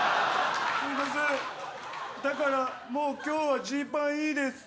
すいませんだからもう今日はジーパンいいです